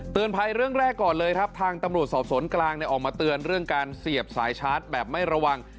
ภัยเรื่องแรกก่อนเลยครับทางตำรวจสอบสวนกลางออกมาเตือนเรื่องการเสียบสายชาร์จแบบไม่ระวัง